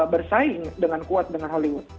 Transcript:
bersaing dengan kuat dengan hollywood